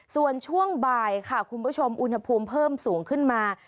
ส่วนช่วงบ่ายค่ะคุณผู้ชมอุณหภูมิเพิ่มสูงขึ้นมา